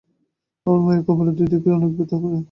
আমার মায়ের কপালের দুই দিকে অনেক ব্যথা করে।